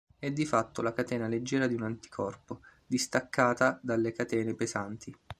È di fatto la catena leggera di un anticorpo, distaccata dalle catene pesanti.